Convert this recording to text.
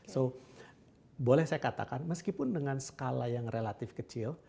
so boleh saya katakan meskipun dengan skala yang relatif kecil